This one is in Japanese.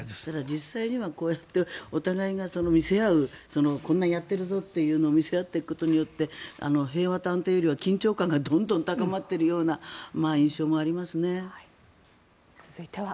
ただ、実際にはお互いが見せ合うこんなやってるぞというのを見せ合っていくことによって平和と安定よりは緊張感がどんどん高まっているような印象もありますね。